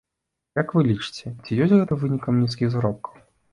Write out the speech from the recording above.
Як вы лічыце, ці ёсць гэта вынікам нізкіх заробкаў?